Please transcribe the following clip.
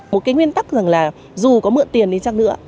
một cái nguyên tắc rằng là dù có mượn tiền thì chắc nữa